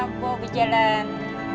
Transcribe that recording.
anak awal bawa berjalan